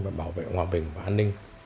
và bảo vệ hòa bình và an ninh